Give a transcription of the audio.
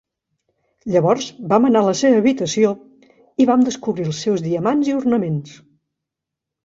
Llavors vam anar a la seva habitació i vam descobrir els seus diamants i ornaments.